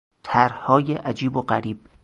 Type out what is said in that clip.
طرحهای عجیب و غریب